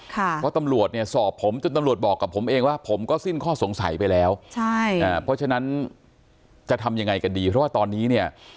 เพราะตำรวจเนี่ยสอบผมจนตำรวจบอกกับผมเองว่าผมก็สิ้นข้อสงสัยไปแล้วใช่อ่าเพราะฉะนั้นจะทำยังไงกันดีเพราะว่าตอนนี้เนี่ย